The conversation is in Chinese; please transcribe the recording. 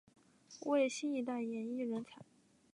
为新一代演艺人才。